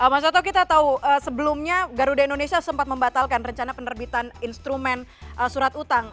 mas toto kita tahu sebelumnya garuda indonesia sempat membatalkan rencana penerbitan instrumen surat utang